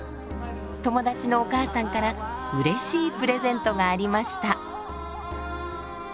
友達のお母さんからうれしいプレゼントがありました。